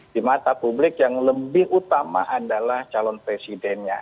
di mata publik yang lebih utama adalah calon presidennya